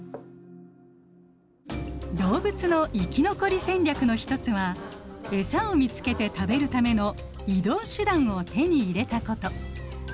動物の生き残り戦略の一つはエサを見つけて食べるための移動手段を手に入れたこと。